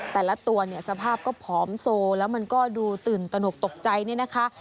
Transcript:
แต่ละตัวเนี่ยสภาพก็ผอมโซแล้วมันก็ดูตื่นตนกตกใจเนี่ยนะคะ